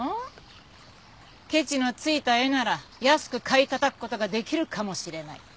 ケチのついた絵なら安く買いたたく事ができるかもしれない。